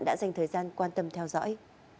đã dành thời gian quan tâm theo dõi